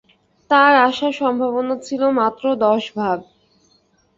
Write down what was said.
তার আসার সম্ভাবনা ছিল মাত্র দশভাগ।